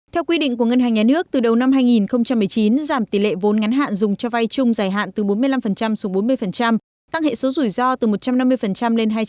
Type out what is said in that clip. theo quy định của ngân hàng nhà nước từ đầu năm hai nghìn một mươi chín giảm tỷ lệ vốn ngắn hạn dùng cho vay chung giải hạn từ bốn mươi năm xuống bốn mươi tăng hệ số rủi ro từ một trăm năm mươi lên hai trăm linh